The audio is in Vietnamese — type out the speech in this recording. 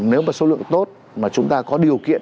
nếu mà số lượng tốt mà chúng ta có điều kiện